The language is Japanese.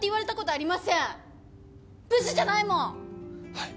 はい。